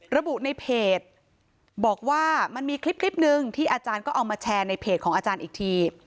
ระบุในเพจบอกว่ามันมีคลิปหนึ่งที่อาจารย์ก็เอามาแชร์ในเพจของอาจารย์อีกที